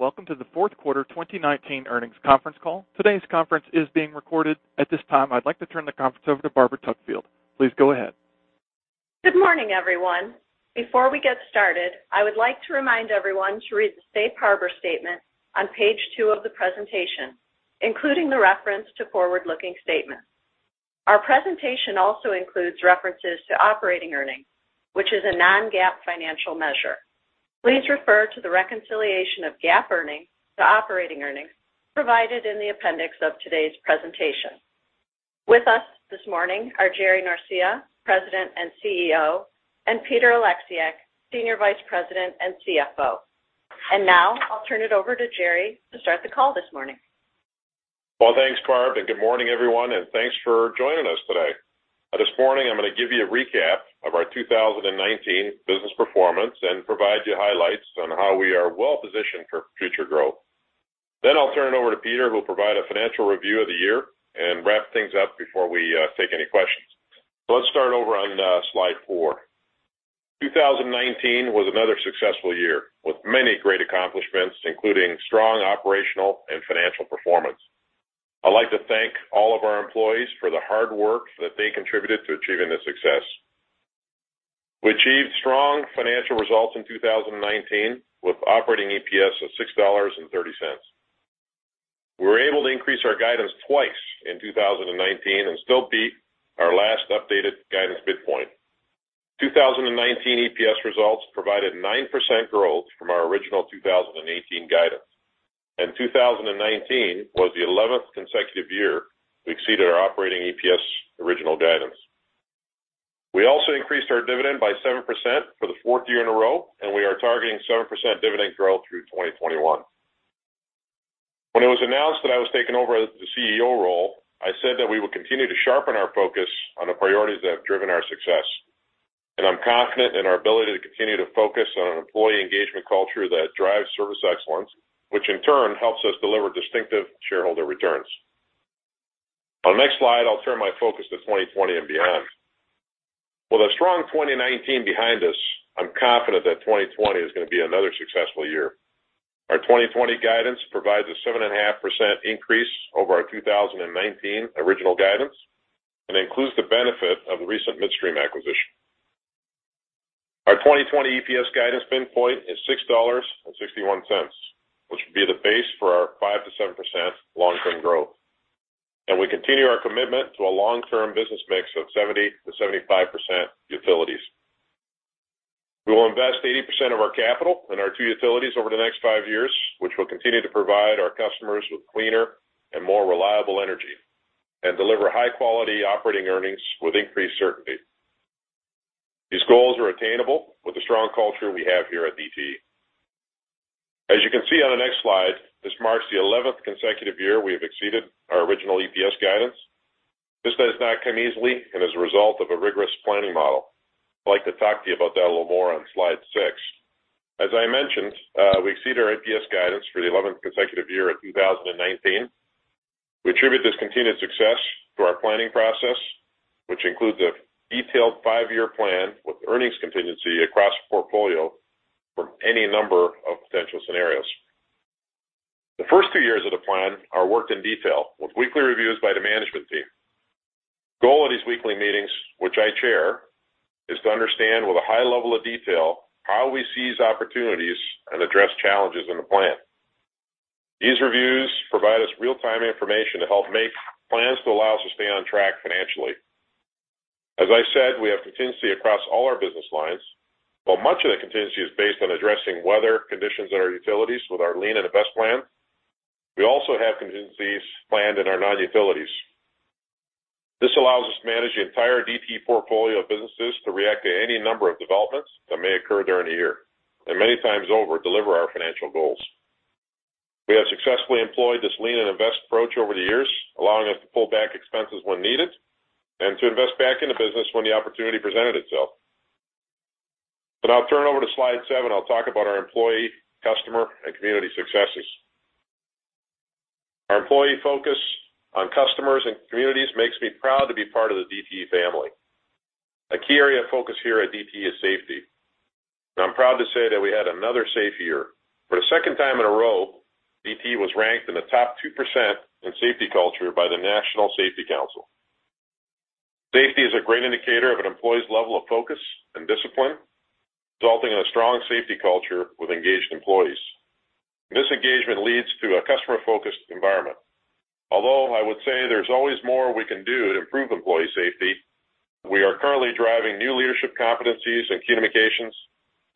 Welcome to the fourth quarter 2019 earnings conference call. Today's conference is being recorded. At this time, I'd like to turn the conference over to Barbara Tuckfield. Please go ahead. Good morning, everyone. Before we get started, I would like to remind everyone to read the safe harbor statement on page two of the presentation, including the reference to forward-looking statements. Our presentation also includes references to operating earnings, which is a non-GAAP financial measure. Please refer to the reconciliation of GAAP earnings to operating earnings provided in the appendix of today's presentation. With us this morning are Jerry Norcia, President and CEO, and Peter Oleksiak, Senior Vice President and CFO. Now I'll turn it over to Jerry to start the call this morning. Thanks, Barb, good morning, everyone, and thanks for joining us today. This morning, I'm going to give you a recap of our 2019 business performance and provide you highlights on how we are well-positioned for future growth. I'll turn it over to Peter, who'll provide a financial review of the year and wrap things up before we take any questions. Let's start over on slide four. 2019 was another successful year, with many great accomplishments, including strong operational and financial performance. I'd like to thank all of our employees for the hard work that they contributed to achieving this success. We achieved strong financial results in 2019, with operating EPS of $6.30. We were able to increase our guidance twice in 2019 and still beat our last updated guidance midpoint. 2019 EPS results provided 9% growth from our original 2018 guidance. 2019 was the 11th consecutive year we exceeded our operating EPS original guidance. We also increased our dividend by 7% for the fourth year in a row. We are targeting 7% dividend growth through 2021. When it was announced that I was taking over the CEO role, I said that we would continue to sharpen our focus on the priorities that have driven our success. I'm confident in our ability to continue to focus on an employee engagement culture that drives service excellence, which in turn helps us deliver distinctive shareholder returns. On the next slide, I'll turn my focus to 2020 and beyond. With a strong 2019 behind us, I'm confident that 2020 is going to be another successful year. Our 2020 guidance provides a 7.5% increase over our 2019 original guidance and includes the benefit of the recent Midstream acquisition. Our 2020 EPS guidance midpoint is $6.61, which will be the base for our 5%-7% long-term growth. We continue our commitment to a long-term business mix of 70%-75% utilities. We will invest 80% of our capital in our two utilities over the next five years, which will continue to provide our customers with cleaner and more reliable energy and deliver high-quality operating earnings with increased certainty. These goals are attainable with the strong culture we have here at DTE. As you can see on the next slide, this marks the 11th consecutive year we have exceeded our original EPS guidance. This does not come easily and is a result of a rigorous planning model. I'd like to talk to you about that a little more on slide six. As I mentioned, we exceeded our EPS guidance for the 11th consecutive year in 2019. We attribute this continued success to our planning process, which includes a detailed five-year plan with earnings contingency across the portfolio for any number of potential scenarios. The first two years of the plan are worked in detail, with weekly reviews by the management team. The goal of these weekly meetings, which I chair, is to understand with a high level of detail how we seize opportunities and address challenges in the plan. These reviews provide us real-time information to help make plans to allow us to stay on track financially. As I said, we have contingency across all our business lines. While much of the contingency is based on addressing weather conditions at our utilities with our lean and invest plan, we also have contingencies planned in our non-utilities. This allows us to manage the entire DTE portfolio of businesses to react to any number of developments that may occur during the year, and many times over, deliver our financial goals. We have successfully employed this lean and invest approach over the years, allowing us to pull back expenses when needed and to invest back in the business when the opportunity presented itself. I'll turn over to slide seven. I'll talk about our employee, customer, and community successes. Our employee focus on customers and communities makes me proud to be part of the DTE family. A key area of focus here at DTE is safety. I'm proud to say that we had another safe year. For the second time in a row, DTE was ranked in the top 2% in safety culture by the National Safety Council. Safety is a great indicator of an employee's level of focus and discipline, resulting in a strong safety culture with engaged employees. This engagement leads to a customer-focused environment. Although I would say there's always more we can do to improve employee safety, we are currently driving new leadership competencies and key communications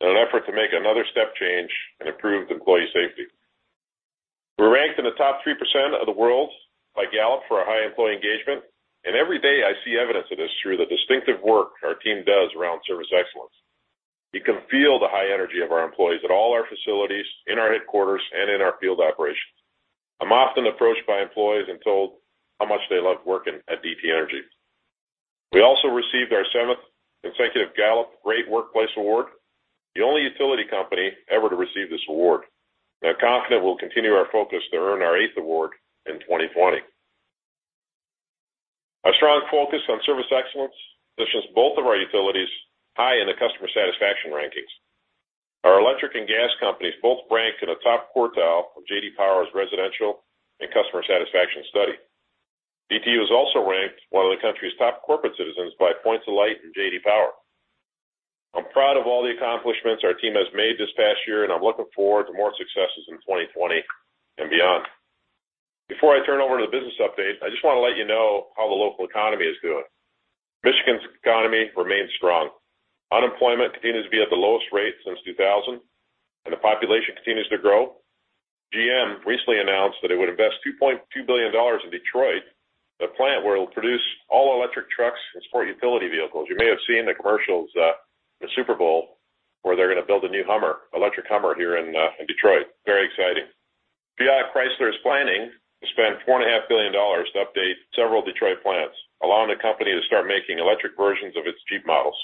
in an effort to make another step change and improve employee safety. We're ranked in the top 3% of the world by Gallup for our high employee engagement, and every day I see evidence of this through the distinctive work our team does around service excellence. You can feel the high energy of our employees at all our facilities, in our headquarters, and in our field operations. I'm often approached by employees and told how much they love working at DTE Energy. We also received our seventh consecutive Gallup Great Workplace Award, the only utility company ever to receive this award. I'm confident we'll continue our focus to earn our eighth award in 2020. Our focus on service excellence positions both of our utilities high in the customer satisfaction rankings. Our electric and gas companies both rank in the top quartile of JD Power's residential and customer satisfaction study. DTE was also ranked one of the country's top corporate citizens by Points of Light and JD Power. I'm proud of all the accomplishments our team has made this past year, and I'm looking forward to more successes in 2020 and beyond. Before I turn over to the business update, I just want to let you know how the local economy is doing. Michigan's economy remains strong. Unemployment continues to be at the lowest rate since 2000, the population continues to grow. GM recently announced that it would invest $2.2 billion in Detroit, the plant where it'll produce all electric trucks and sport utility vehicles. You may have seen the commercials at the Super Bowl, where they're going to build a new Hummer, electric Hummer, here in Detroit. Very exciting. Fiat Chrysler is planning to spend $4.5 billion to update several Detroit plants, allowing the company to start making electric versions of its Jeep models.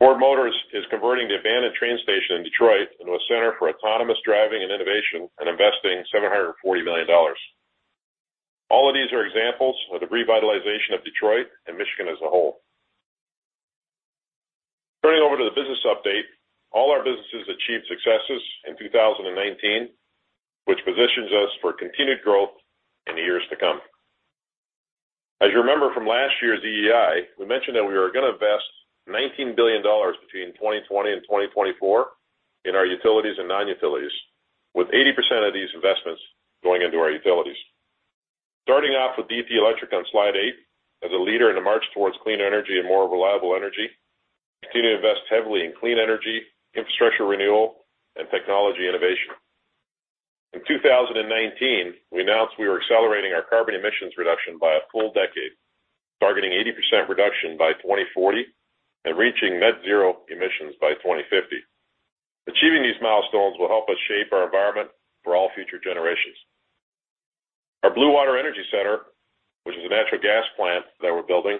Ford Motors is converting the abandoned train station in Detroit into a center for autonomous driving and innovation and investing $740 million. All of these are examples of the revitalization of Detroit and Michigan as a whole. Turning over to the business update, all our businesses achieved successes in 2019, which positions us for continued growth in the years to come. As you remember from last year's EEI, we mentioned that we were going to invest $19 billion between 2020 and 2024 in our utilities and non-utilities, with 80% of these investments going into our utilities. Starting off with DTE Electric on slide eight, as a leader in the march towards clean energy and more reliable energy, we continue to invest heavily in clean energy, infrastructure renewal, and technology innovation. In 2019, we announced we were accelerating our carbon emissions reduction by a full decade, targeting 80% reduction by 2040 and reaching net zero emissions by 2050. Achieving these milestones will help us shape our environment for all future generations. Our Blue Water Energy Center, which is a natural gas plant that we're building,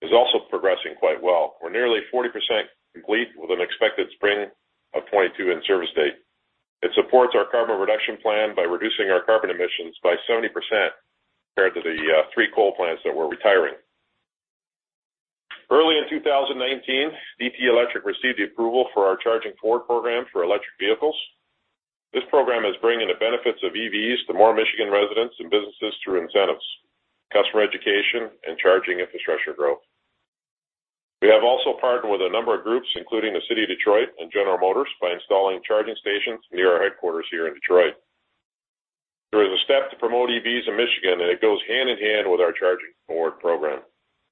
is also progressing quite well. We're nearly 40% complete with an expected spring of 2022 in-service date. It supports our carbon reduction plan by reducing our carbon emissions by 70% compared to the three coal plants that we're retiring. Early in 2019, DTE Electric received the approval for our Charging Forward program for electric vehicles. This program is bringing the benefits of EVs to more Michigan residents and businesses through incentives, customer education, and charging infrastructure growth. We have also partnered with a number of groups, including the City of Detroit and General Motors, by installing charging stations near our headquarters here in Detroit. There is a step to promote EVs in Michigan, and it goes hand in hand with our Charging Forward program.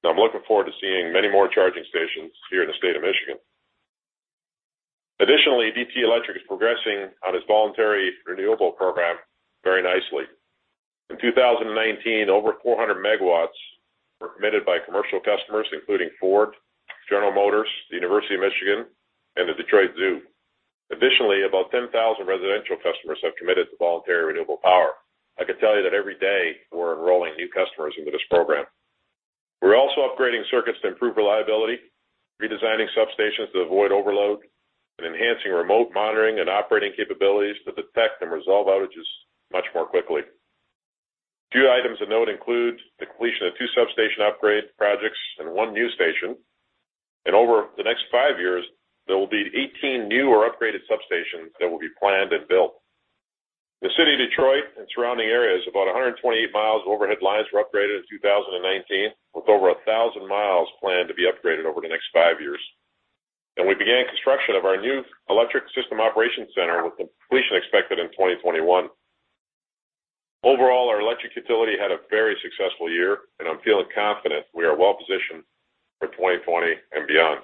I'm looking forward to seeing many more charging stations here in the state of Michigan. Additionally, DTE Electric is progressing on its voluntary renewable program very nicely. In 2019, over 400 MW were committed by commercial customers, including Ford, General Motors, the University of Michigan, and the Detroit Zoo. Additionally, about 10,000 residential customers have committed to voluntary renewable power. I can tell you that every day we're enrolling new customers into this program. We're also upgrading circuits to improve reliability, redesigning substations to avoid overload, and enhancing remote monitoring and operating capabilities to detect and resolve outages much more quickly. A few items of note include the completion of two substation upgrade projects and one new station. Over the next five years, there will be 18 new or upgraded substations that will be planned and built. In the city of Detroit and surrounding areas, about 128 miles of overhead lines were upgraded in 2019, with over 1,000 miles planned to be upgraded over the next five years. We began construction of our new electric system operations center, with completion expected in 2021. Overall, our electric utility had a very successful year, and I'm feeling confident we are well-positioned for 2020 and beyond.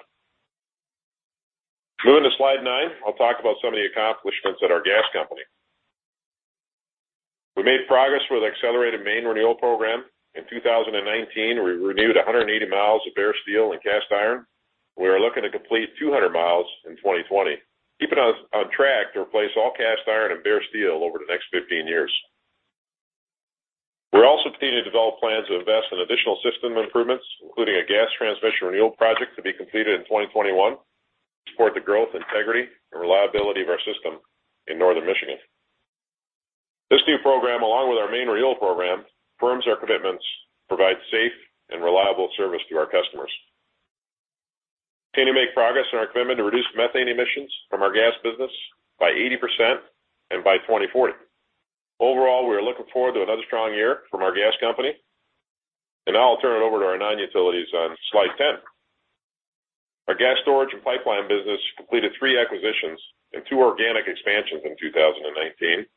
Moving to slide nine, I'll talk about some of the accomplishments at our gas company. We made progress with Accelerated Main Renewal Program. In 2019, we renewed 180 miles of bare steel and cast iron. We are looking to complete 200 miles in 2020, keeping us on track to replace all cast iron and bare steel over the next 15 years. We're also continuing to develop plans to invest in additional system improvements, including a gas transmission renewal project to be completed in 2021 to support the growth, integrity, and reliability of our system in northern Michigan. This new program, along with our Main Renewal Program, firms our commitments to provide safe and reliable service to our customers. Continuing to make progress on our commitment to reduce methane emissions from our gas business by 80% by 2040. Overall, we are looking forward to another strong year from our gas company. Now I'll turn it over to our non-utilities on slide 10. Our Gas Storage and Pipeline business completed three acquisitions and two organic expansions in 2019.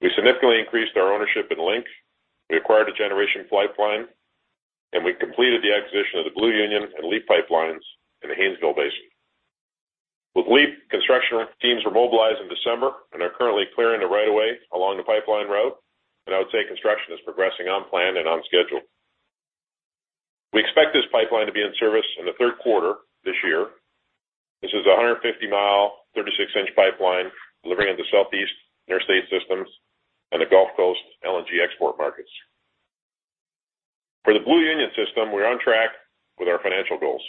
We significantly increased our ownership in Link, we acquired a Generation Pipeline, and we completed the acquisition of the Blue Union and LEAP pipelines in the Haynesville Basin. With LEAP, construction teams were mobilized in December and are currently clearing the right of way along the pipeline route, and I would say construction is progressing on plan and on schedule. We expect this pipeline to be in service in the third quarter this year. This is a 150-mile, 36-inch pipeline delivering into Southeast Interstate systems and the Gulf Coast LNG export markets. For the Blue Union system, we're on track with our financial goals.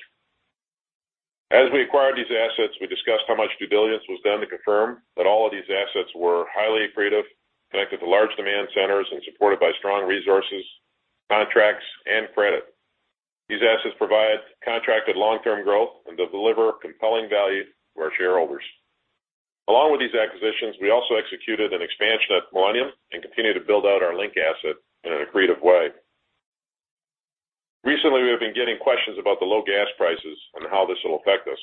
As we acquired these assets, we discussed how much due diligence was done to confirm that all of these assets were highly accretive, connected to large demand centers, and supported by strong resources, contracts, and credit. These assets provide contracted long-term growth and they'll deliver compelling value to our shareholders. Along with these acquisitions, we also executed an expansion at Millennium and continue to build out our Link asset in an accretive way. Recently, we have been getting questions about the low gas prices and how this will affect us.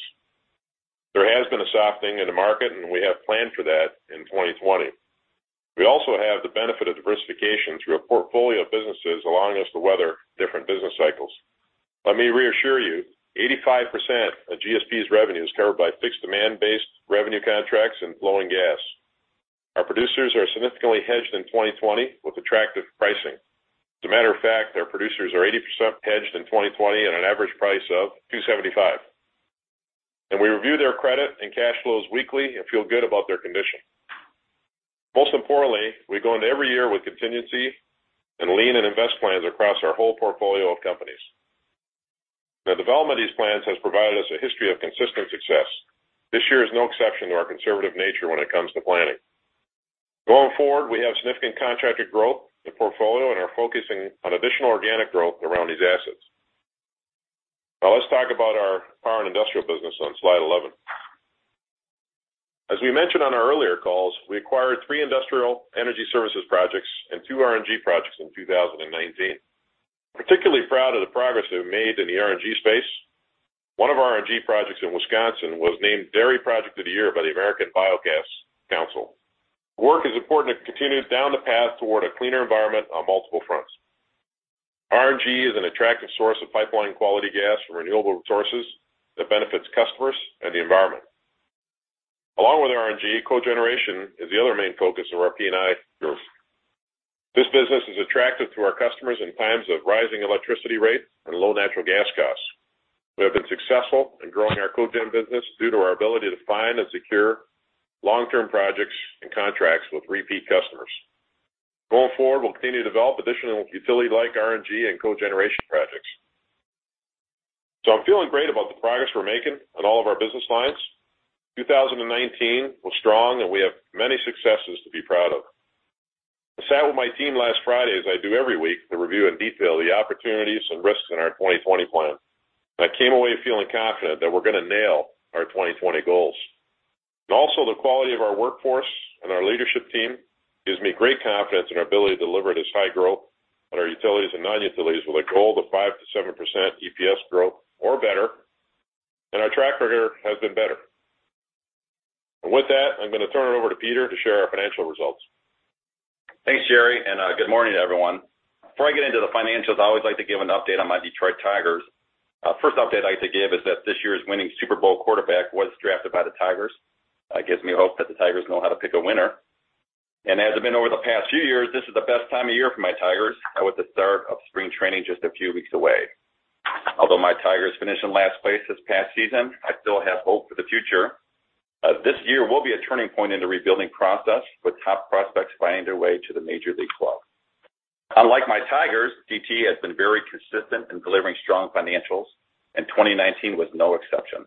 There has been a softening in the market, and we have planned for that in 2020. We also have the benefit of diversification through a portfolio of businesses allowing us to weather different business cycles. Let me reassure you, 85% of GSP's revenue is covered by fixed demand-based revenue contracts and flowing gas. Our producers are significantly hedged in 2020 with attractive pricing. As a matter of fact, our producers are 80% hedged in 2020 at an average price of $2.75. We review their credit and cash flows weekly and feel good about their condition. Most importantly, we go into every year with contingency, and lean and invest plans across our whole portfolio of companies. The development of these plans has provided us a history of consistent success. This year is no exception to our conservative nature when it comes to planning. Going forward, we have significant contracted growth in the portfolio and are focusing on additional organic growth around these assets. Now let's talk about our Power and Industrial business on slide 11. As we mentioned on our earlier calls, we acquired three industrial energy services projects and two RNG projects in 2019. Particularly proud of the progress we've made in the RNG space. One of our RNG projects in Wisconsin was named Dairy Project of the Year by the American Biogas Council. Work is important to continue down the path toward a cleaner environment on multiple fronts. RNG is an attractive source of pipeline-quality gas from renewable resources that benefits customers and the environment. Along with RNG, cogeneration is the other main focus of our P&I group. This business is attractive to our customers in times of rising electricity rates and low natural gas costs. We have been successful in growing our cogen business due to our ability to find and secure long-term projects and contracts with repeat customers. Going forward, we'll continue to develop additional utility-like RNG and cogeneration projects. I'm feeling great about the progress we're making on all of our business lines. 2019 was strong. We have many successes to be proud of. I sat with my team last Friday, as I do every week, to review in detail the opportunities and risks in our 2020 plan. I came away feeling confident that we're going to nail our 2020 goals. Also the quality of our workforce and our leadership team gives me great confidence in our ability to deliver this high growth on our utilities and non-utilities with a goal of 5%-7% EPS growth or better. Our track record has been better. With that, I'm going to turn it over to Peter to share our financial results. Thanks, Jerry, good morning, everyone. Before I get into the financials, I always like to give an update on my Detroit Tigers. First update I'd like to give is that this year's winning Super Bowl quarterback was drafted by the Tigers. That gives me hope that the Tigers know how to pick a winner. As has been over the past few years, this is the best time of year for my Tigers, with the start of spring training just a few weeks away. Although my Tigers finished in last place this past season, I still have hope for the future, as this year will be a turning point in the rebuilding process, with top prospects finding their way to the Major League club. Unlike my Tigers, DTE has been very consistent in delivering strong financials, 2019 was no exception.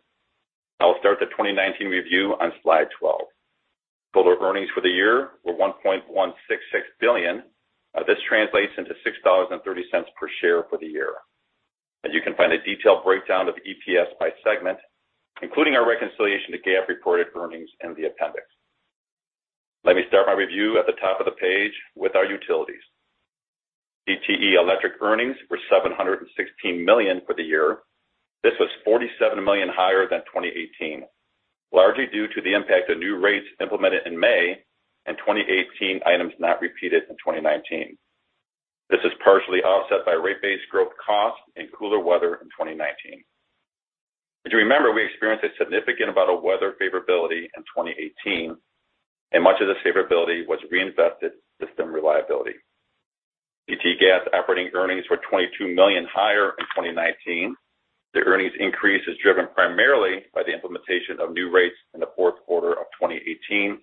I will start the 2019 review on slide 12. Total earnings for the year were $1.166 billion. This translates into $6.30 per share for the year. You can find a detailed breakdown of EPS by segment, including our reconciliation to GAAP reported earnings in the appendix. Let me start my review at the top of the page with our utilities. DTE Electric earnings were $716 million for the year. This was $47 million higher than 2018, largely due to the impact of new rates implemented in May and 2018 items not repeated in 2019. This is partially offset by rate-based growth costs and cooler weather in 2019. As you remember, we experienced a significant amount of weather favorability in 2018, and much of this favorability was reinvested system reliability. DTE Gas operating earnings were $22 million higher in 2019. The earnings increase is driven primarily by the implementation of new rates in the fourth quarter of 2018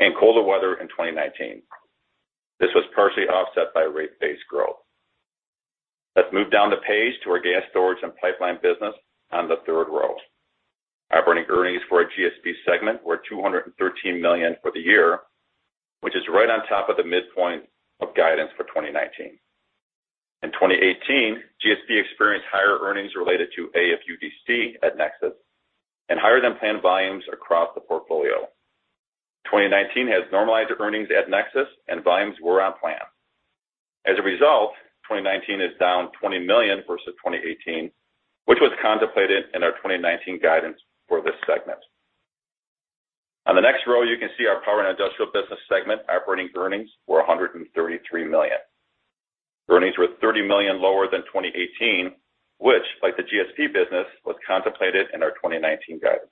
and colder weather in 2019. This was partially offset by rate-based growth. Let's move down the page to our Gas Storage and Pipeline business on the third row. Operating earnings for our GSP segment were $213 million for the year, which is right on top of the midpoint of guidance for 2019. In 2018, GSP experienced higher earnings related to AFUDC at NEXUS and higher-than-planned volumes across the portfolio. 2019 has normalized earnings at NEXUS and volumes were on plan. As a result, 2019 is down $20 million versus 2018, which was contemplated in our 2019 guidance for this segment. On the next row, you can see our Power and Industrial business segment operating earnings were $133 million. Earnings were $30 million lower than 2018, which, like the GSP business, was contemplated in our 2019 guidance.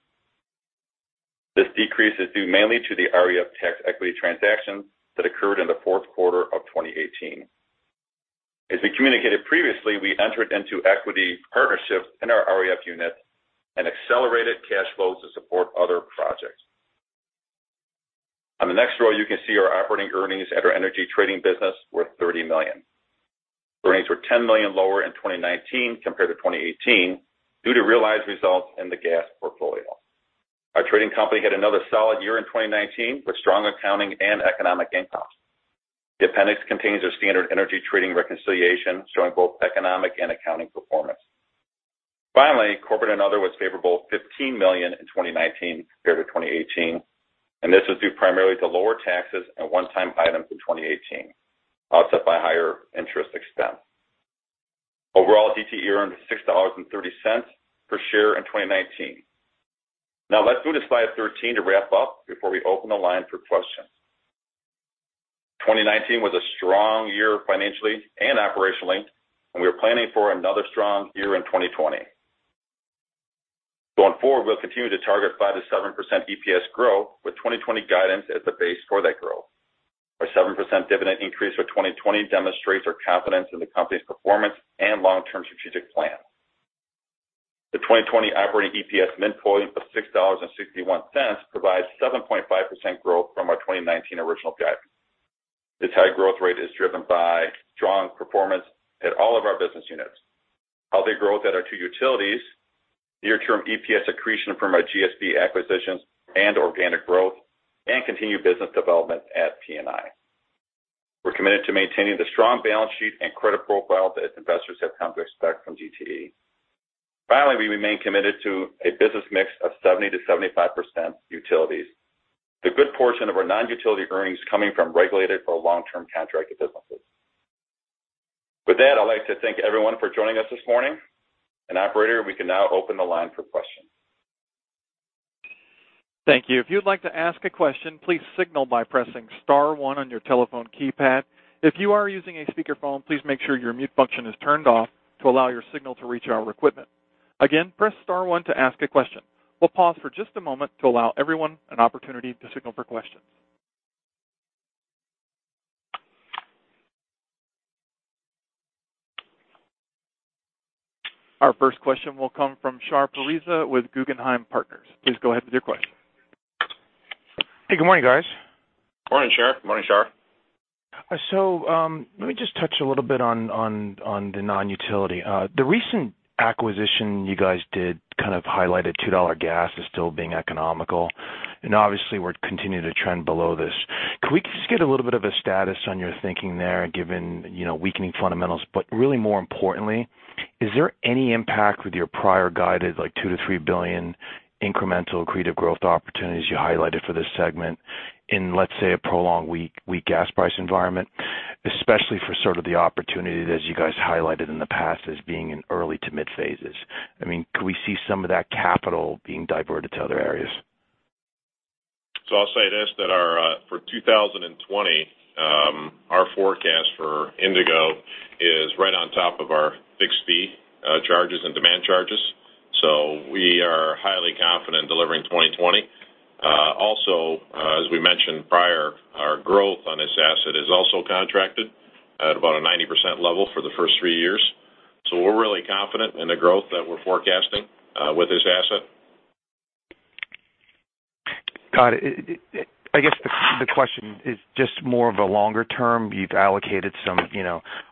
This decrease is due mainly to the REF Tech equity transaction that occurred in the fourth quarter of 2018. As we communicated previously, we entered into equity partnerships in our REF unit and accelerated cash flows to support other projects. On the next row, you can see our operating earnings at our energy trading business were $30 million. Earnings were $10 million lower in 2019 compared to 2018 due to realized results in the gas portfolio. Our trading company had another solid year in 2019 with strong accounting and economic income. The appendix contains our standard energy trading reconciliation, showing both economic and accounting performance. Corporate and other was favorable, $15 million in 2019 compared to 2018. This was due primarily to lower taxes and one-time items in 2018, offset by higher interest expense. Overall, DTE earned $6.30 per share in 2019. Let's move to slide 13 to wrap up before we open the line for questions. 2019 was a strong year financially and operationally. We are planning for another strong year in 2020. Going forward, we'll continue to target 5%-7% EPS growth, with 2020 guidance as the base for that growth. Our 7% dividend increase for 2020 demonstrates our confidence in the company's performance and long-term strategic plan. The 2020 operating EPS midpoint of $6.61 provides 7.5% growth from our 2019 original guidance. This high growth rate is driven by strong performance at all of our business units, healthy growth at our two utilities, near-term EPS accretion from our GSP acquisitions and organic growth, continued business development at P&I. We're committed to maintaining the strong balance sheet and credit profile that investors have come to expect from DTE. Finally, we remain committed to a business mix of 70%-75% utilities, with a good portion of our non-utility earnings coming from regulated or long-term contracted businesses. With that, I'd like to thank everyone for joining us this morning. Operator, we can now open the line for questions. Thank you. If you'd like to ask a question, please signal by pressing star one on your telephone keypad. If you are using a speakerphone, please make sure your mute function is turned off to allow your signal to reach our equipment. Again, press star one to ask a question. We'll pause for just a moment to allow everyone an opportunity to signal for questions. Our first question will come from Shar Pourreza with Guggenheim Partners. Please go ahead with your question. Hey, good morning, guys. Morning, Shar. Morning, Shar. Let me just touch a little bit on the non-utility. The recent acquisition you guys did kind of highlighted $2 gas as still being economical, and obviously we're continuing to trend below this. Can we just get a little bit of a status on your thinking there, given weakening fundamentals? Really more importantly, is there any impact with your prior guided, like, $2 billion-$3 billion incremental accretive growth opportunities you highlighted for this segment in, let's say, a prolonged weak gas price environment, especially for sort of the opportunity that you guys highlighted in the past as being in early to mid phases? Could we see some of that capital being diverted to other areas? I'll say this, that for 2020, our forecast for Indigo is right on top of our fixed fee charges and demand charges. We are highly confident delivering 2020. Also, as we mentioned prior, our growth on this asset is also contracted at about a 90% level for the first three years. We're really confident in the growth that we're forecasting with this asset. Got it. I guess the question is just more of a longer term. You've allocated some,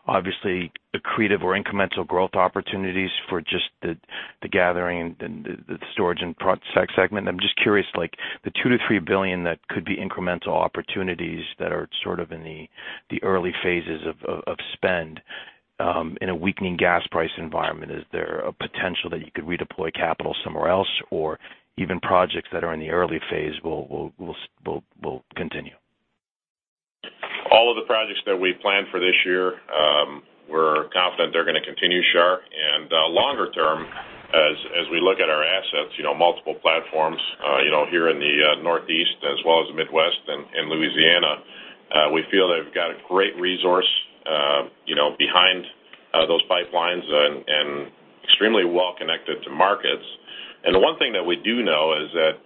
obviously, accretive or incremental growth opportunities for just the gathering and the storage and segment. I'm just curious, like, the $2 billion-$3 billion that could be incremental opportunities that are sort of in the early phases of spend in a weakening gas price environment, is there a potential that you could redeploy capital somewhere else, or even projects that are in the early phase will continue? All of the projects that we planned for this year, we're confident they're going to continue, Shar. Longer term, as we look at our assets, multiple platforms here in the Northeast as well as the Midwest and Louisiana, we feel they've got a great resource behind those pipelines and extremely well connected to markets. The one thing that we do know is that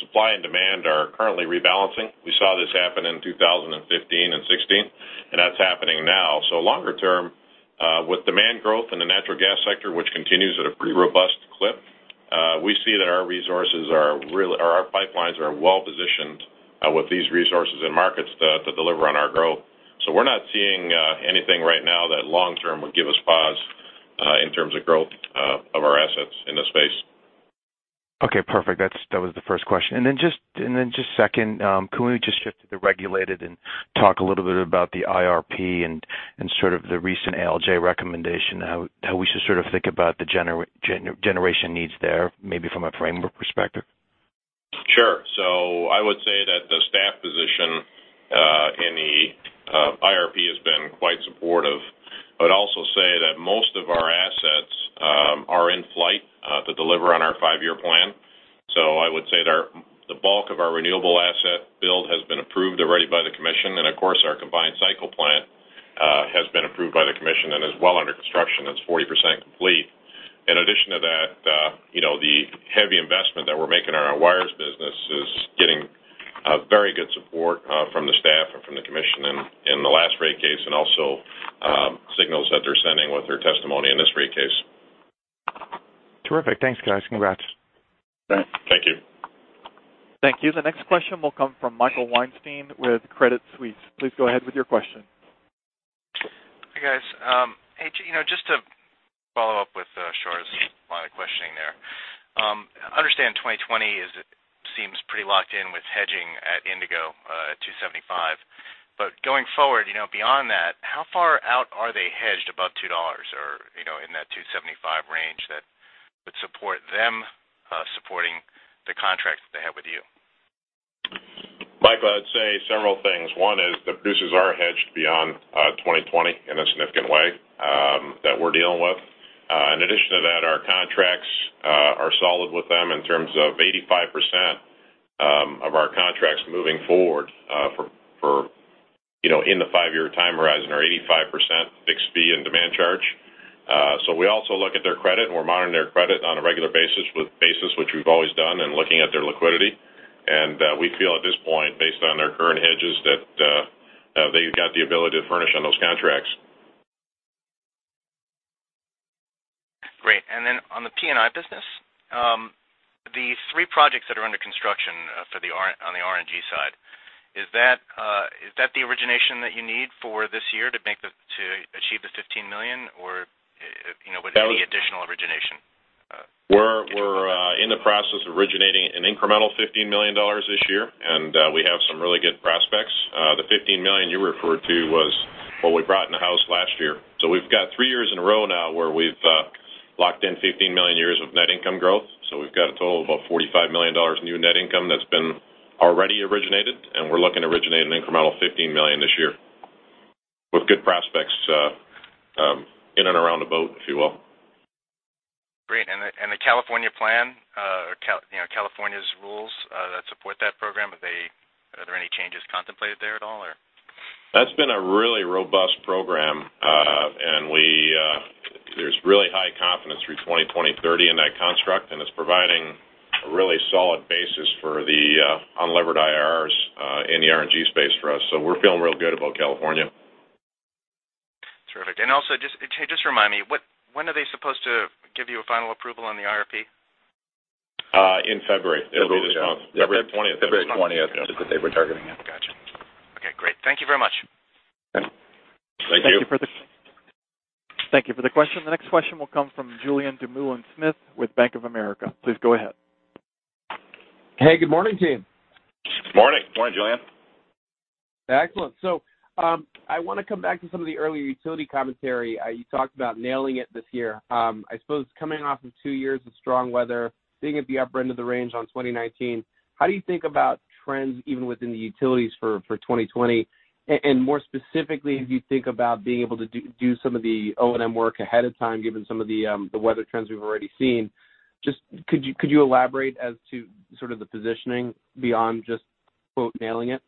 supply and demand are currently rebalancing. We saw this happen in 2015 and 2016, and that's happening now. Longer term, with demand growth in the natural gas sector, which continues at a pretty robust clip, we see that our pipelines are well-positioned with these resources and markets to deliver on our growth. We're not seeing anything right now that long-term would give us pause, in terms of growth of our assets in this space. Okay, perfect. That was the first question. Then just second, can we just shift to the regulated and talk a little bit about the IRP and sort of the recent ALJ recommendation, how we should sort of think about the generation needs there, maybe from a framework perspective? Sure. I would say that the Staff position in the IRP has been quite supportive. I would also say that most of our assets are in flight to deliver on our five-year plan. I would say the bulk of our renewable asset build has been approved already by the Commission. Of course, our combined cycle plant has been approved by the Commission and is well under construction. It's 40% complete. In addition to that, the heavy investment that we're making in our wires business is getting very good support from the Staff and from the Commission in the last rate case, and also signals that they're sending with their testimony in this rate case. Terrific. Thanks, guys. Congrats. Thank you. Thank you. The next question will come from Michael Weinstein with Credit Suisse. Please go ahead with your question. Hi, guys. Hey, just to follow up with Shar's line of questioning there. I understand 2020 seems pretty locked in with hedging at Indigo at $2.75. Going forward, beyond that, how far out are they hedged above $2 or in that $2.75 range that would support them supporting the contracts that they have with you? Michael, I'd say several things. One is the producers are hedged beyond 2020 in a significant way that we're dealing with. In addition to that, our contracts are solid with them in terms of 85% of our contracts moving forward in the five-year time horizon are 85% fixed fee and demand charge. We also look at their credit, and we're monitoring their credit on a regular basis, which we've always done, and looking at their liquidity. We feel at this point, based on their current hedges, that they've got the ability to furnish on those contracts. Great. On the P&I business, the three projects that are under construction on the RNG side, is that the origination that you need for this year to achieve the $15 million? Would there be additional origination? We're in the process of originating an incremental $15 million this year, and we have some really good prospects. The $15 million you referred to was what we brought in the house last year. We've got three years in a row now where we've locked in $15 million years of net income growth. We've got a total of about $45 million new net income that's been already originated, and we're looking to originate an incremental $15 million this year with good prospects in and around the boat, if you will. Great. The California plan or California's rules that support that program, are there any changes contemplated there at all, or? That's been a really robust program. There's really high confidence through 2030 in that construct, and it's providing a really solid basis for the unlevered IRRs in the RNG space for us. We're feeling real good about California. Terrific. Also, just remind me, when are they supposed to give you a final approval on the IRP? In February. Early this month. February 20th. February 20th is the date we're targeting in. Gotcha. Okay, great. Thank you very much. Thank you. Thank you for the question. The next question will come from Julien Dumoulin-Smith with Bank of America. Please go ahead. Hey, good morning, team. Morning. Morning, Julien. Excellent. I want to come back to some of the earlier utility commentary. You talked about nailing it this year. I suppose coming off of two years of strong weather, being at the upper end of the range on 2019, how do you think about trends even within the utilities for 2020? More specifically, as you think about being able to do some of the O&M work ahead of time given some of the weather trends we've already seen, just could you elaborate as to sort of the positioning beyond just quote, nailing it?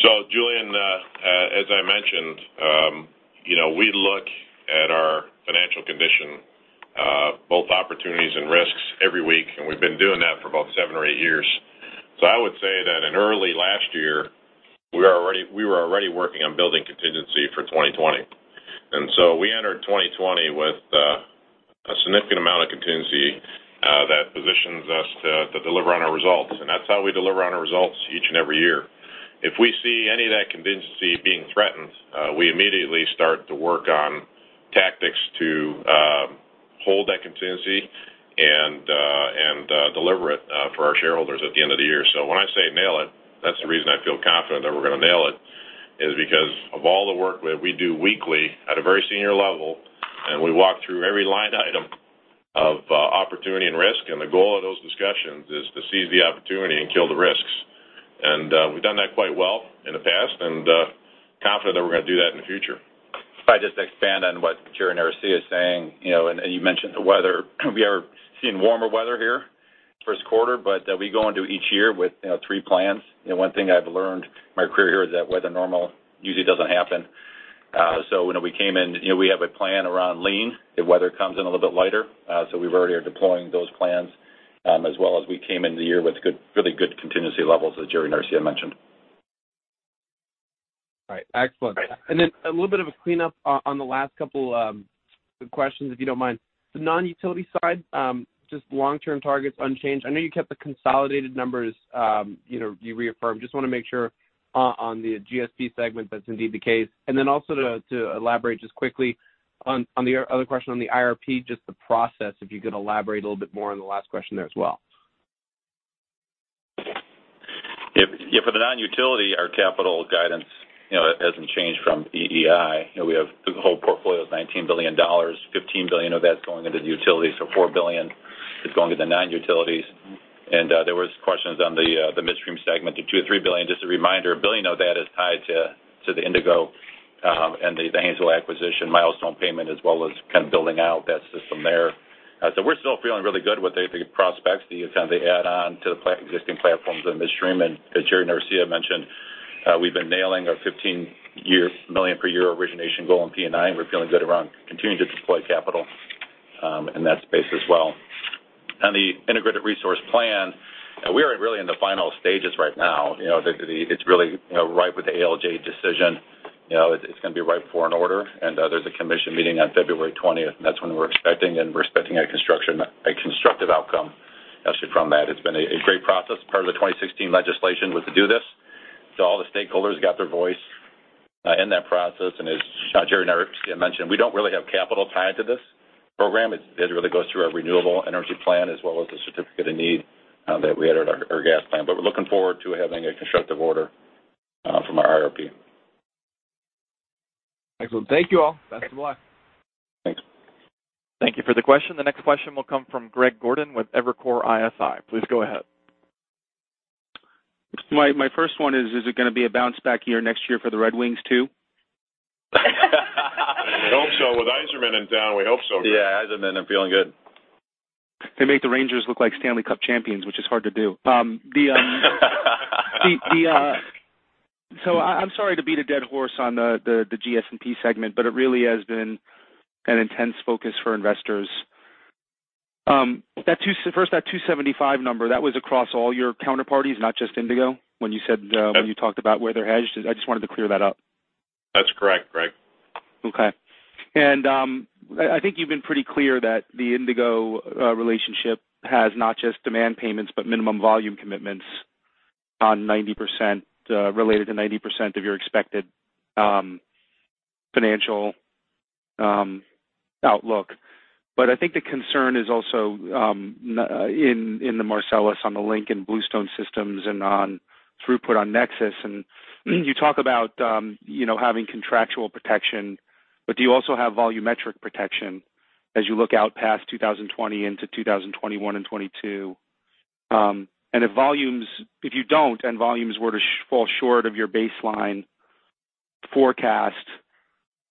Julien, as I mentioned, we look at our financial condition, both opportunities and risks every week, and we've been doing that for about seven or eight years. I would say that in early last year, we were already working on building contingency for 2020. We entered 2020 with a significant amount of contingency that positions us to deliver on our results. That's how we deliver on our results each and every year. If we see any of that contingency being threatened, we immediately start to work on tactics to hold that contingency and deliver it for our shareholders at the end of the year. When I say nail it, that's the reason I feel confident that we're going to nail it, is because of all the work that we do weekly at a very senior level, and we walk through every line item of opportunity and risk, and the goal of those discussions is to seize the opportunity and kill the risks. We've done that quite well in the past and confident that we're going to do that in the future. If I just expand on what Jerry Norcia is saying, and you mentioned the weather. We are seeing warmer weather here first quarter, but we go into each year with three plans. One thing I've learned in my career here is that weather normal usually doesn't happen. We have a plan around lean if weather comes in a little bit lighter. We already are deploying those plans as well as we came into the year with really good contingency levels, as Jerry Norcia mentioned. All right. Excellent. A little bit of a cleanup on the last couple questions, if you don't mind. The non-utility side, just long-term targets unchanged. I know you kept the consolidated numbers, you reaffirmed. Just want to make sure on the GSP segment that's indeed the case. Also to elaborate just quickly on the other question on the IRP, just the process, if you could elaborate a little bit more on the last question there as well. Yeah, for the non-utility, our capital guidance hasn't changed from DTE. We have the whole portfolio is $19 billion, $15 billion of that's going into the utility, so $4 billion is going to the non-utilities. There was questions on the midstream segment, the $2 billion or $3 billion. Just a reminder, $1 billion of that is tied to the Indigo and the Haynesville acquisition milestone payment, as well as kind of building out that system there. We're still feeling really good with the prospects, the add-on to the existing platforms in midstream. As Jerry Norcia mentioned, we've been nailing our $15 million per year origination goal in P&I, and we're feeling good around continuing to deploy capital in that space as well. On the integrated resource plan. Really in the final stages right now. It's really ripe with the ALJ decision. It's going to be ripe for an order. There's a commission meeting on February 20th. That's when we're expecting. We're expecting a constructive outcome actually from that. It's been a great process. Part of the 2016 legislation was to do this. All the stakeholders got their voice in that process. As Jerry Norcia mentioned, we don't really have capital tied to this program. It really goes through our renewable energy plan as well as the certificate of need that we had at our gas plant. We're looking forward to having a constructive order from our IRP. Excellent. Thank you all. Best of luck. Thanks. Thank you for the question. The next question will come from Greg Gordon with Evercore ISI. Please go ahead. My first one is it going to be a bounce-back year next year for the Red Wings, too? We hope so. With Yzerman in town, we hope so. Yeah, Yzerman, I'm feeling good. They make the Rangers look like Stanley Cup champions, which is hard to do. I'm sorry to beat a dead horse on the GSP segment, but it really has been an intense focus for investors. First, that 275 number, that was across all your counterparties, not just Indigo, when you talked about where they're hedged? I just wanted to clear that up. That's correct, Greg. Okay. I think you've been pretty clear that the Indigo relationship has not just demand payments, but minimum volume commitments related to 90% of your expected financial outlook. I think the concern is also in the Marcellus, on the Link and Bluestone systems and on throughput on Nexus. You talk about having contractual protection, but do you also have volumetric protection as you look out past 2020 into 2021 and 2022? If you don't, and volumes were to fall short of your baseline forecast,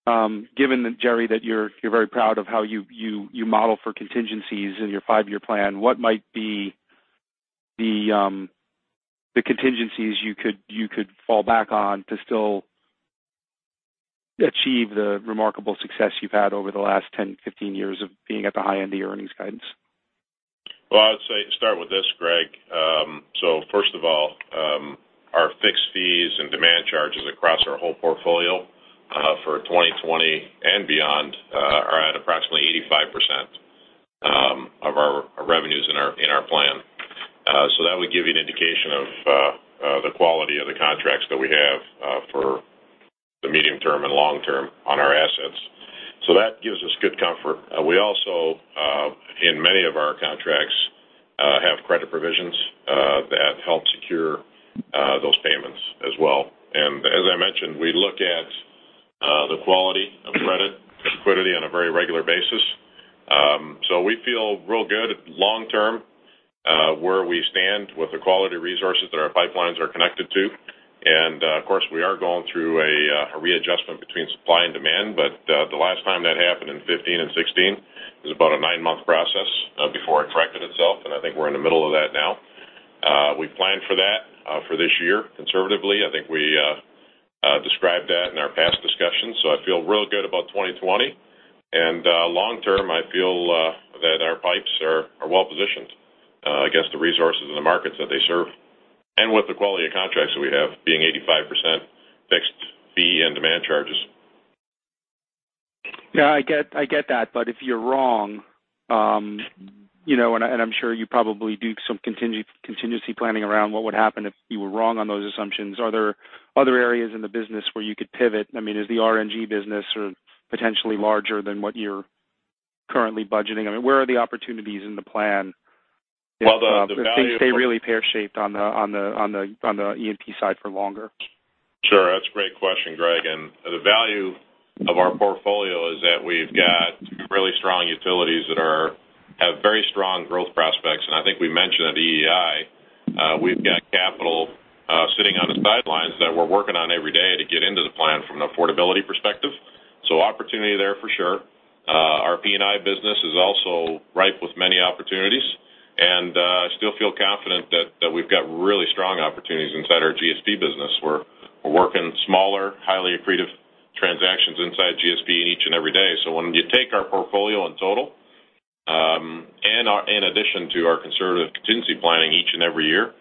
given that, Jerry, that you're very proud of how you model for contingencies in your five-year plan, what might be the contingencies you could fall back on to still achieve the remarkable success you've had over the last 10, 15 years of being at the high end of your earnings guidance? I'd say start with this, Greg. First of all, our fixed fees and demand charges across our whole portfolio for 2020 and beyond are at approximately 85% of our revenues in our plan. That would give you an indication of the quality of the contracts that we have for the medium term and long term on our assets. That gives us good comfort. We also, in many of our contracts, have credit provisions that help secure those payments as well. As I mentioned, we look at the quality of credit liquidity on a very regular basis. We feel real good long term where we stand with the quality resources that our pipelines are connected to. Of course, we are going through a readjustment between supply and demand. The last time that happened in 2015 and 2016, it was about a nine-month process before it corrected itself, and I think we're in the middle of that now. We planned for that for this year conservatively. I think we described that in our past discussions. I feel real good about 2020. Long term, I feel that our pipes are well-positioned against the resources and the markets that they serve, with the quality of contracts that we have being 85% fixed fee and demand charges. Yeah, I get that. If you're wrong, and I'm sure you probably do some contingency planning around what would happen if you were wrong on those assumptions, are there other areas in the business where you could pivot? Is the RNG business potentially larger than what you're currently budgeting? Where are the opportunities in the plan? Well, the value- if things stay really pear-shaped on the E&P side for longer? Sure. That's a great question, Greg, and the value of our portfolio is that we've got really strong utilities that have very strong growth prospects, and I think we mentioned at EEI, we've got capital sitting on the sidelines that we're working on every day to get into the plan from an affordability perspective. Opportunity there for sure. Our P&I business is also ripe with many opportunities, and I still feel confident that we've got really strong opportunities inside our GSP business. We're working smaller, highly accretive transactions inside GSP each and every day. When you take our portfolio in total, and in addition to our conservative contingency planning each and every year,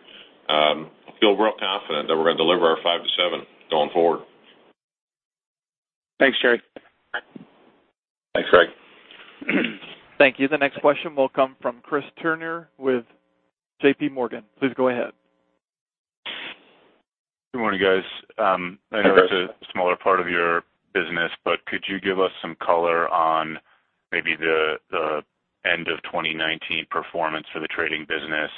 I feel real confident that we're going to deliver our five to seven going forward. Thanks, Gerry. Thanks, Greg. Thank you. The next question will come from Chris Turner with JPMorgan. Please go ahead. Good morning, guys. Good morning. I know it's a smaller part of your business, but could you give us some color on maybe the end of 2019 performance for the trading business,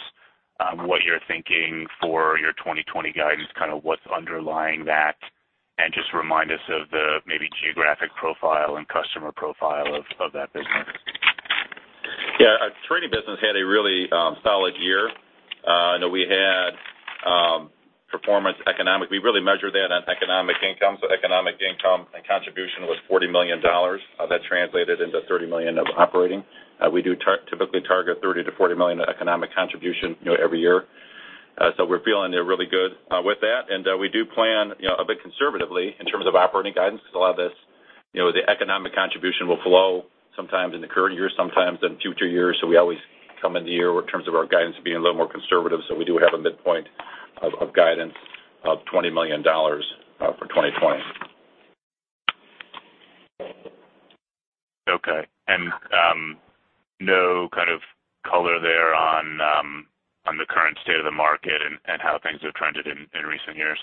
what you're thinking for your 2020 guidance, kind of what's underlying that? Just remind us of the maybe geographic profile and customer profile of that business. Yeah. Our trading business had a really solid year. I know we had performance. We really measure that on economic income. Economic income and contribution was $40 million. That translated into $30 million of operating. We do typically target $30 million-$40 million of economic contribution every year. We're feeling really good with that. We do plan a bit conservatively in terms of operating guidance because a lot of this The economic contribution will flow sometimes in the current year, sometimes in future years. We always come into the year in terms of our guidance being a little more conservative, so we do have a midpoint of guidance of $20 million for 2020. Okay. No kind of color there on the current state of the market and how things have trended in recent years?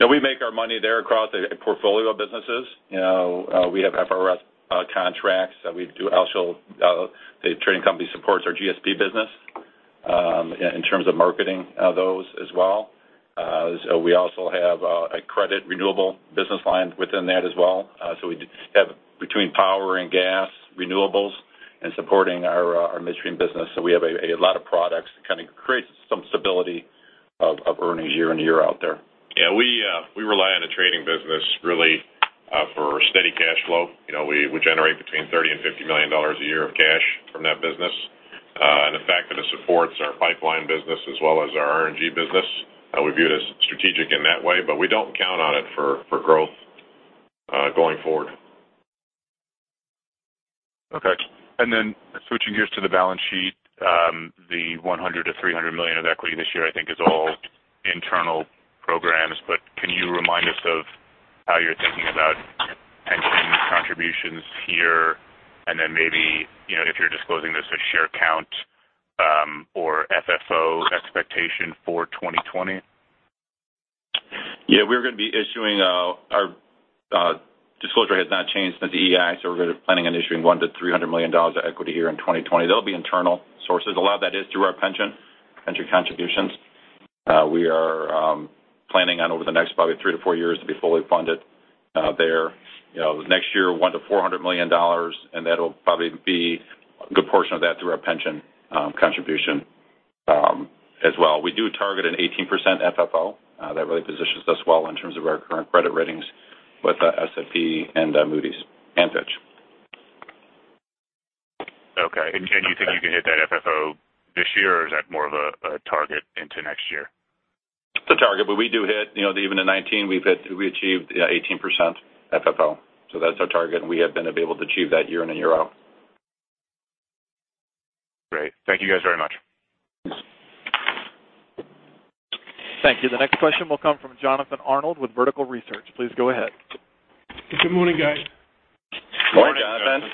No, we make our money there across a portfolio of businesses. We have FTRs contracts that we do. The trading company supports our GSP business, in terms of marketing those as well. We also have a credit renewable business line within that as well. We have between power and gas renewables and supporting our midstream business. We have a lot of products. It kind of creates some stability of earnings year-on-year out there. Yeah. We rely on the trading business really for steady cash flow. We generate between $30 and $50 million a year of cash from that business. The fact that it supports our pipeline business as well as our RNG business, we view it as strategic in that way, but we don't count on it for growth going forward. Okay. Switching gears to the balance sheet, the $100 million-$300 million of equity this year, I think is all internal programs. Can you remind us of how you're thinking about pension contributions here, and then maybe, if you're disclosing this, a share count or FFO expectation for 2020? Our disclosure has not changed since the EEI. We're really planning on issuing $100 million-$300 million of equity here in 2020. They'll be internal sources. A lot of that is through our pension contributions. We are planning on over the next probably three to four years to be fully funded there. Next year, $100 million-$400 million. That'll probably be a good portion of that through our pension contribution as well. We do target an 18% FFO. That really positions us well in terms of our current credit ratings with S&P, Moody's, and Fitch. Okay. You think you can hit that FFO this year, or is that more of a target into next year? It's a target, but we do hit. Even in 2019, we achieved 18% FFO. That's our target, and we have been able to achieve that year in and year out. Great. Thank you guys very much. Thank you. The next question will come from Jonathan Arnold with Vertical Research. Please go ahead. Good morning, guys. Morning, Jonathan.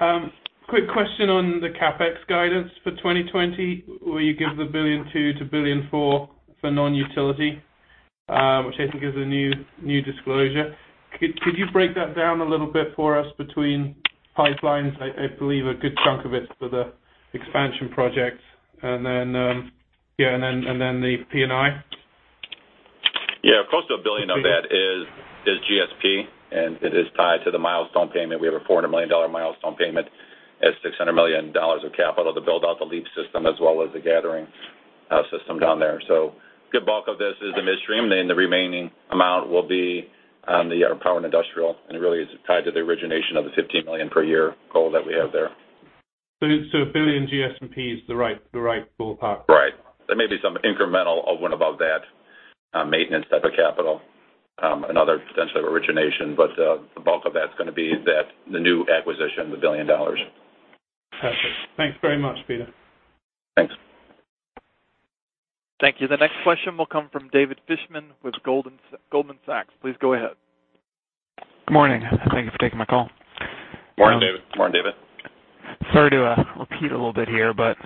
Morning. Quick question on the CapEx guidance for 2020, where you give the $1.2 billion-$1.4 billion for non-utility, which I think is a new disclosure. Could you break that down a little bit for us between pipelines? I believe a good chunk of it for the expansion projects and then the P&I. Yeah. Close to $1 billion of that is GSP, and it is tied to the milestone payment. We have a $400 million milestone payment and $600 million of capital to build out the LEAP system as well as the gathering system down there. Good bulk of this is the midstream, then the remaining amount will be on the Power and Industrial, and really is tied to the origination of the $15 million per year goal that we have there. A billion GSP is the right ballpark. Right. There may be some incremental of one above that, maintenance type of capital, another potential origination. The bulk of that's going to be the new acquisition, the $1 billion. Perfect. Thanks very much, Peter. Thanks. Thank you. The next question will come from David Fishman with Goldman Sachs. Please go ahead. Good morning. Thank you for taking my call. Morning, David. Morning, David. Sorry to repeat a little bit here, but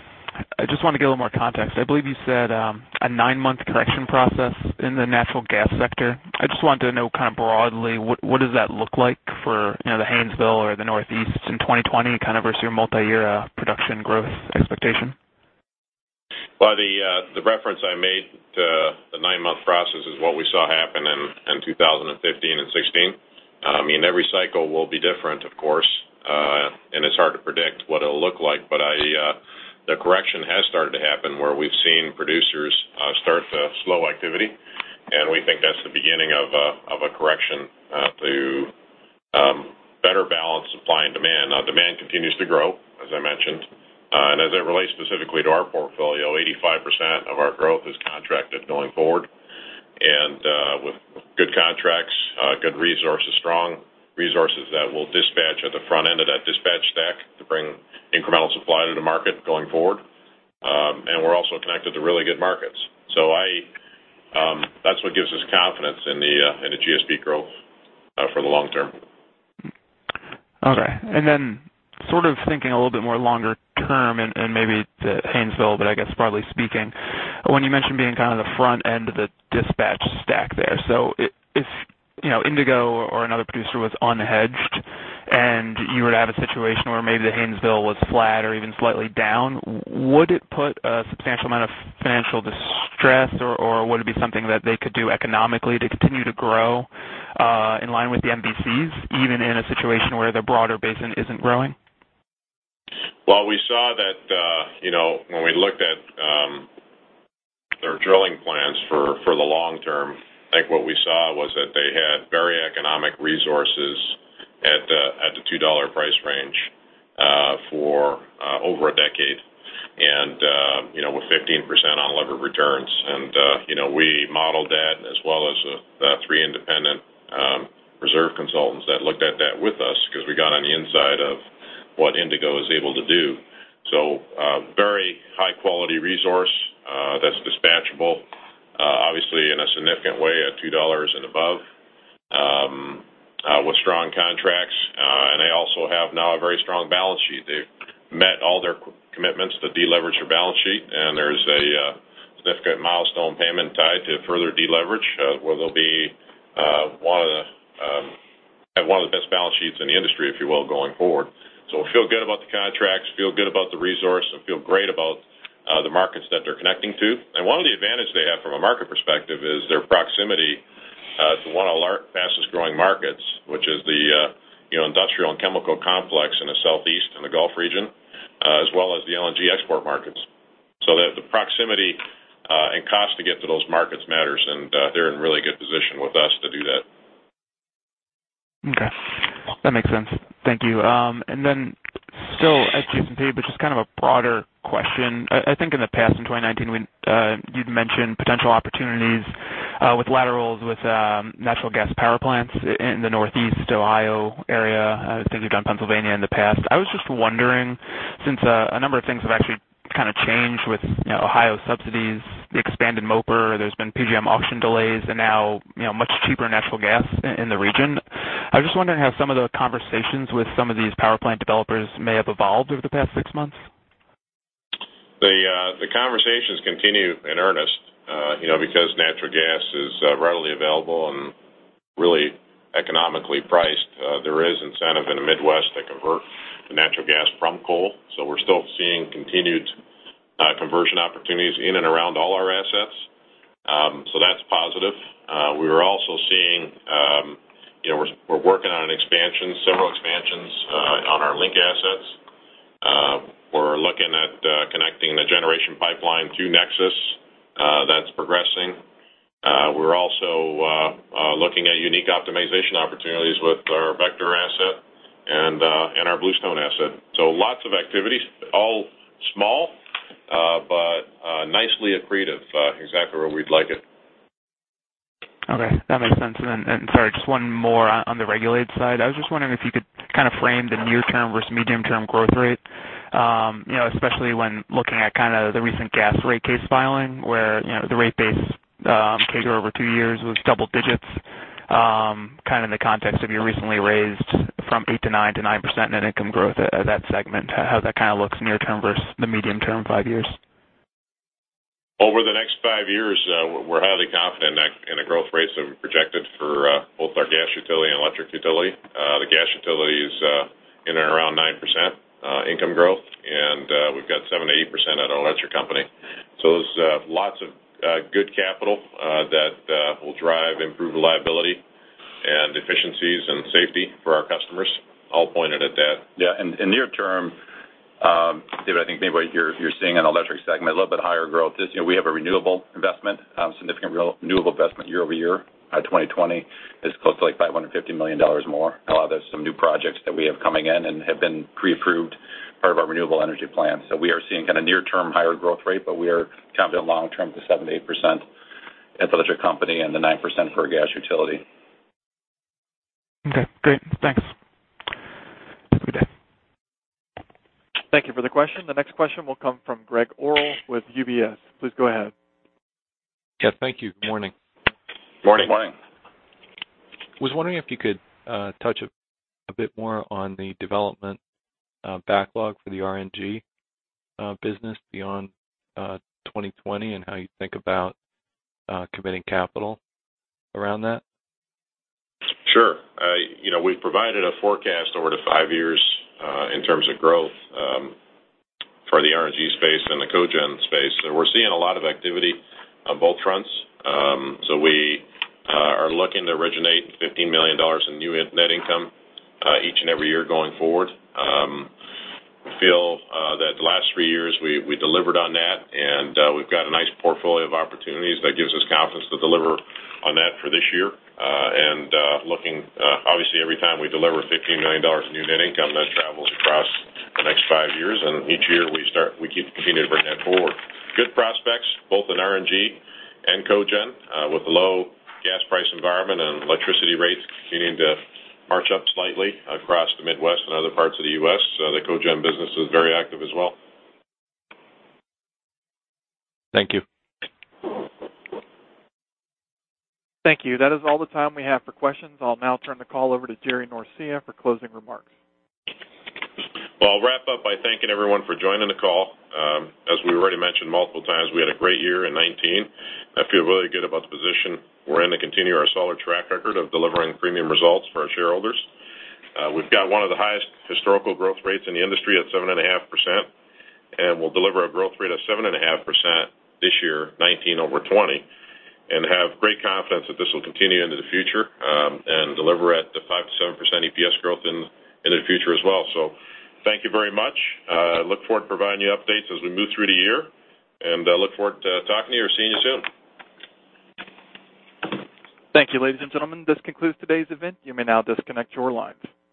I just wanted to get a little more context. I believe you said a nine-month correction process in the natural gas sector. I just wanted to know kind of broadly, what does that look like for the Haynesville or the Northeast in 2020 kind of versus your multi-year production growth expectation? Well, the reference I made to the nine-month process is what we saw happen in 2015 and 2016. I mean, every cycle will be different, of course. It's hard to predict what it'll look like, but the correction has started to happen where we've seen producers start to slow activity, and we think that's the beginning of a correction to better balance supply and demand. Demand continues to grow, as I mentioned. As it relates specifically to our portfolio, 85% of our growth is contracted going forward. With good contracts, good resources, strong resources that will dispatch at the front end of that dispatch stack to bring incremental supply to the market going forward. We're also connected to really good markets. That's what gives us confidence in the GSP growth for the long term. Okay. Thinking a little bit more longer term and maybe to Haynesville, but I guess broadly speaking, when you mentioned being kind of the front end of the dispatch stack there, so if Indigo or another producer was unhedged and you were to have a situation where maybe the Haynesville was flat or even slightly down, would it put a substantial amount of financial distress or would it be something that they could do economically to continue to grow in line with the NBCs, even in a situation where the broader basin isn't growing? Well, when we looked at their drilling plans for the long term, I think what we saw was that they had very economic resources at the $2 price range for over a decade. We modeled that as well as the three independent reserve consultants that looked at that with us because we got on the inside of what Indigo is able to do. Very high-quality resource that's dispatchable obviously in a significant way at $2 and above with strong contracts. They also have now a very strong balance sheet. They've met all their commitments to deleverage their balance sheet, and there's a significant milestone payment tied to further deleverage where they'll have one of the best balance sheets in the industry, if you will, going forward. We feel good about the contracts, feel good about the resource, and feel great about the markets that they're connecting to. One of the advantages they have from a market perspective is their proximity to one of the largest, fastest-growing markets, which is the industrial and chemical complex in the Southeast and the Gulf region, as well as the LNG export markets. The proximity and cost to get to those markets matters, and they're in really good position with us to do that. Okay. That makes sense. Thank you. Still at GP&P, but just kind of a broader question. I think in the past, in 2019, you'd mentioned potential opportunities with laterals with natural gas power plants in the Northeast, Ohio area. I think you've done Pennsylvania in the past. I was just wondering, since a number of things have actually kind of changed with Ohio subsidies, the expanded MOPR, there's been PJM auction delays, and now much cheaper natural gas in the region. I was just wondering how some of the conversations with some of these power plant developers may have evolved over the past six months. The conversations continue in earnest. Because natural gas is readily available and really economically priced, there is incentive in the Midwest to convert to natural gas from coal. We're still seeing continued conversion opportunities in and around all our assets. That's positive. We're working on several expansions on our Link assets. We're looking at connecting the Generation Pipeline through Nexus. That's progressing. We're also looking at unique optimization opportunities with our Vector asset and our Bluestone asset. Lots of activities, all small, but nicely accretive. Exactly where we'd like it. Okay, that makes sense. Then, sorry, just one more on the regulated side. I was just wondering if you could kind of frame the near-term versus medium-term growth rate, especially when looking at kind of the recent gas rate case filing, where the rate base figure over two years was double digits, kind of in the context of your recently raised from 8%-9% net income growth at that segment, how that kind of looks near term versus the medium term, five years. Over the next five years, we're highly confident in the growth rates that we've projected for both our gas utility and electric utility. The gas utility is in and around 9% income growth, and we've got 7%-8% at our electric company. There's lots of good capital that will drive improved reliability and efficiencies and safety for our customers, all pointed at that. In near term, David, I think maybe you're seeing an Electric segment, a little bit higher growth. We have a renewable investment, significant renewable investment year-over-year. 2020 is close to $550 million more. A lot of those are some new projects that we have coming in and have been pre-approved, part of our Renewable Energy Plan. We are seeing kind of near-term higher growth rate, but we are confident long-term to 7%-8% at the Electric Company and the 9% for our Gas Utility. Okay, great. Thanks. Have a good day. Thank you for the question. The next question will come from Gregg Orrill with UBS. Please go ahead. Yes, thank you. Good morning. Morning. Morning. was wondering if you could touch a bit more on the development backlog for the RNG business beyond 2020 and how you think about committing capital around that. Sure. We've provided a forecast over to five years in terms of growth for the RNG space and the cogen space. We're seeing a lot of activity on both fronts. We are looking to originate $15 million in new net income each and every year going forward. Feel that the last three years we delivered on that, and we've got a nice portfolio of opportunities that gives us confidence to deliver on that for this year. Every time we deliver $15 million in new net income, that travels across the next five years, and each year we keep continuing to bring that forward. Good prospects both in RNG and cogen with the low gas price environment and electricity rates continuing to march up slightly across the Midwest and other parts of the U.S. The cogen business is very active as well. Thank you. Thank you. That is all the time we have for questions. I'll now turn the call over to Jerry Norcia for closing remarks. Well, I'll wrap up by thanking everyone for joining the call. As we already mentioned multiple times, we had a great year in 2019. I feel really good about the position we're in to continue our solid track record of delivering premium results for our shareholders. We've got one of the highest historical growth rates in the industry at 7.5%, and we'll deliver a growth rate of 7.5% this year, 2019 over 2020, and have great confidence that this will continue into the future, and deliver at the 5%-7% EPS growth in the future as well. Thank you very much. Look forward to providing you updates as we move through the year, and look forward to talking to you or seeing you soon. Thank you, ladies and gentlemen. This concludes today's event. You may now disconnect your lines.